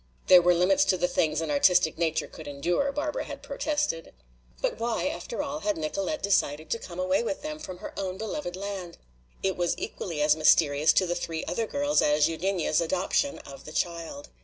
There were limits to the things an artistic nature could endure, Barbara had protested. But why, after all, had Nicolete decided to come away with them from her own beloved land? It was equally as mysterious to the three other girls as Eugenia's adoption of the child.